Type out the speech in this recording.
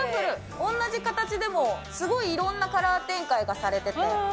同じ形でもすごいいろんなカラー展開がされてて。